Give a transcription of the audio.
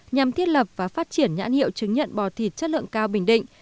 nhằm thiết lập và phát triển nhãn hiệu chứng nhận bò thịt chất lượng cao bình định